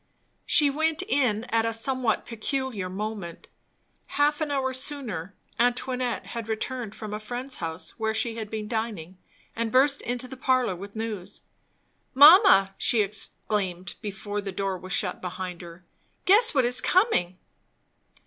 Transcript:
She went in at a somewhat peculiar moment. Half an hour sooner, Antoinette had returned from a friend's house where she had been dining, and burst into the parlour with news. "Mamma!" she exclaimed, before the door was shut behind her, "Guess what is coming."